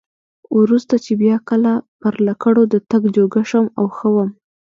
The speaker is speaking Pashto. وروسته چې بیا کله پر لکړو د تګ جوګه شوم او ښه وم.